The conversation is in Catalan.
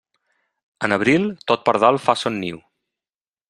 En abril, tot pardal fa son niu.